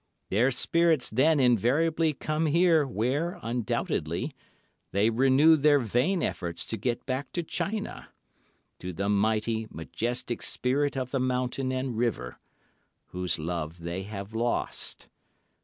Their spirits then invariably come here, where, undoubtedly, they renew their vain efforts to get back to China—to the mighty, majestic Spirit of the Mountain and River, whose love they have lost.